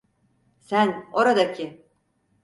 Sen, oradaki!